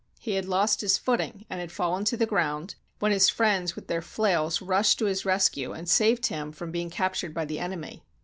He had lost his foot ing and had fallen to the ground, when his friends with their flails rushed to his rescue, and saved him from being captured by the enemy.